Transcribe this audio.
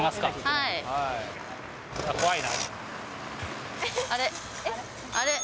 はい。